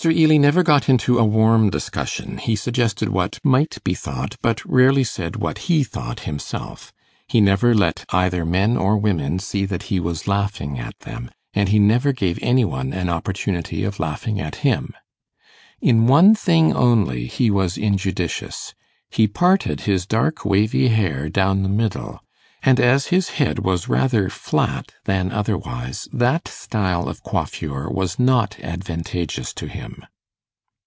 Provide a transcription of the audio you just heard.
Ely never got into a warm discussion; he suggested what might be thought, but rarely said what he thought himself; he never let either men or women see that he was laughing at them, and he never gave any one an opportunity of laughing at him. In one thing only he was injudicious. He parted his dark wavy hair down the middle; and as his head was rather flat than otherwise, that style of coiffure was not advantageous to him.